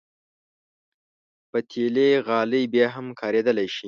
پتېلي غالۍ بیا هم کارېدلی شي.